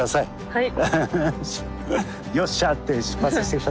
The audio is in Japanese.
はい。